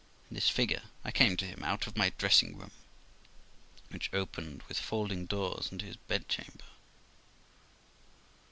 In this figure I came to him, out of my dressing room, which opened with folding doors into his bedchamber.